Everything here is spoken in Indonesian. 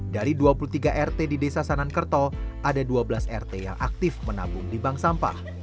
dari dua puluh tiga rt di desa sanankerto ada dua belas rt yang aktif menabung di bank sampah